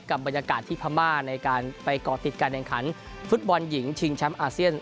บรรยากาศที่พม่าในการไปก่อติดการแข่งขันฟุตบอลหญิงชิงแชมป์อาเซียน